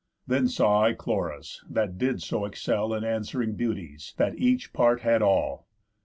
Then saw I Chloris, that did so excell In answering beauties, that each part had all.